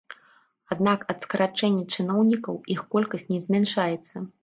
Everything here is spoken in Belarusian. Аднак ад скарачэння чыноўнікаў іх колькасць не змяншаецца.